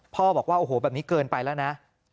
บอกว่าโอ้โหแบบนี้เกินไปแล้วนะ